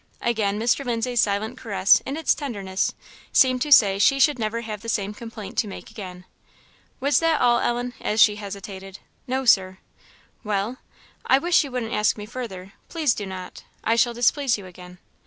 Again Mr. Lindsay's silent caress, in its tenderness, seemed to say she should never have the same complaint to make again. "Was that all, Ellen?" as she hesitated. "No, Sir." "Well?" "I wish you wouldn't ask me further; please do not. I shall displease you again."